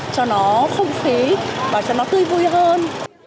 cho nó không khí và cho nó tươi vui hơn